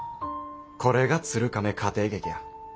これが鶴亀家庭劇や。